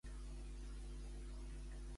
Quina acció de Zeus va perjudicar Tros?